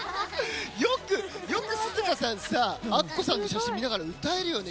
よくＳＵＺＵＫＡさんはアッコさんの写真見ながら歌えるよね。